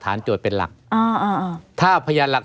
ไม่มีครับไม่มีครับ